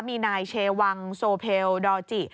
มีนายเชวังโซเพลดอร์จิ